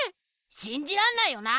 しんじらんないよな！